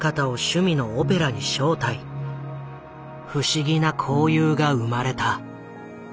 不思議な交友が生まれた。